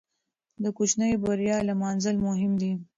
د کوچنۍ بریا لمانځل مهم دي.